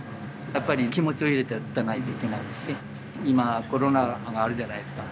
やっぱり気持ちを入れて打たないといけないし今コロナがあるじゃないですか。